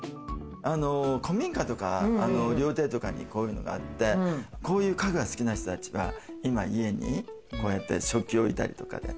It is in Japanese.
古民家とか料亭とかに、こういうのがあってこういう家具が好きな人たちは今家に、こうやって食器を置いたりとかで。